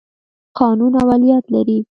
قانون اولیت لري.